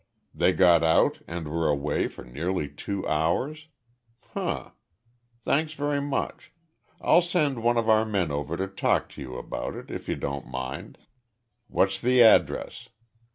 They got out and were away for nearly two hours? Hum! Thanks very much. I'll send one of our men over to talk to you about it, if you don't mind. What's the address?"